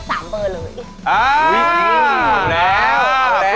ฉันจะเลือก๓เบอร์เลย